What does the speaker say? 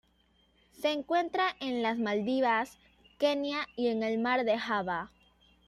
Se encuentra en las Maldivas, Kenia y en el Mar de Java.